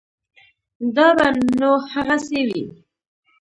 دا به نو هغسې وي.